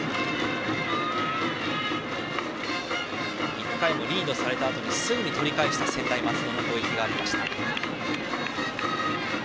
１回もリードされたあとにすぐに取り返した専大松戸の攻撃がありました。